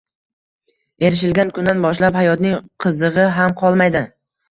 Erishilgan kundan boshlab hayotning qizig‘i ham qolmaydi.